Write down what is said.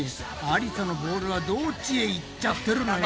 ありさのボールはどっちへ行っちゃってるのよ！